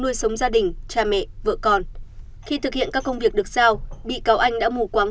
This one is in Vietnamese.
nuôi sống gia đình cha mẹ vợ con khi thực hiện các công việc được sao bị cáo anh đã mù quắm